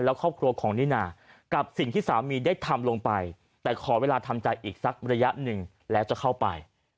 และครอบครัวของนิน่ากับสิ่งที่สามีได้ทำลงไปแต่ขอเวลาทำใจอีกสักระยะหนึ่งแล้วจะเข้าไป